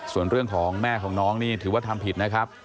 ส่วนเรื่องของแม่ของน้องนี่ถือว่าทำผิดนะครับ